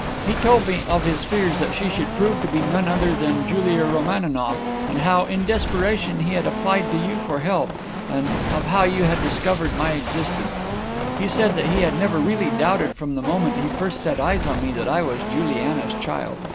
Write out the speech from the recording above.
"He told me of his fears that she should prove to be none other than Julia Romaninov, and of how, in desperation, he had applied to you for help, and of how you had discovered my existence. "He said he had never really doubted from the moment he first set eyes on me that I was Juliana's child.